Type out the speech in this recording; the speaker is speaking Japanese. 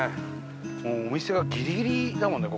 もうお店がギリギリだもんね